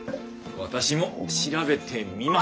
私も調べてみます！